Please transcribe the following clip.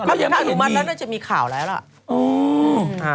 ถ้าอนุมัติแล้วน่าจะมีข่าวแล้วล่ะ